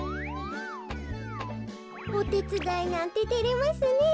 おてつだいなんててれますねえ。